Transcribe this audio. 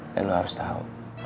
dan lo harus tahu